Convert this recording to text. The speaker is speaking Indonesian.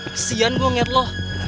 kesian gue ngeliat lo